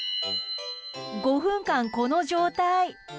５分間、この状態。